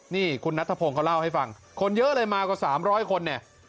นี่คุณนัทธพงศ์เขาเล่าให้ฟังคนเยอะเลยมากว่า๓๐๐คนเนี่ย